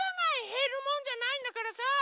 へるもんじゃないんだからさ。